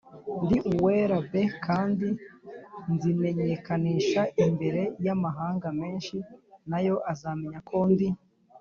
ndi uwera b kandi nzimenyekanisha imbere y amahanga menshi na yo azamenya ko ndi